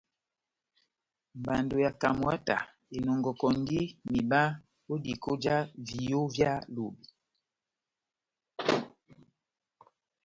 Mbando ya Camwater enɔngɔkɔndi mihiba ó diko já viyó vyá Lobe.